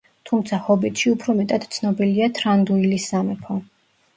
თუმცა, „ჰობიტში“ უფრო მეტად ცნობილია თრანდუილის სამეფო.